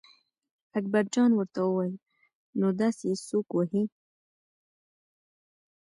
اکبرجان ورته وویل نو داسې یې څوک وهي.